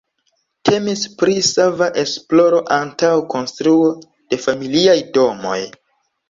Temis pri sava esploro antaŭ konstruo de familiaj domoj.